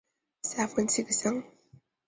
下分七个乡。